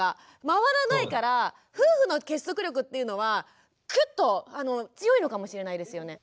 回らないから夫婦の結束力っていうのはクッと強いのかもしれないですよね。